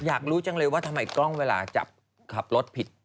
อยากรู้จังเลยว่าทำไมกล้องเวลาจับขับรถผิด